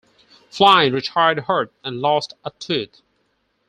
Flynn retired hurt and lost a tooth.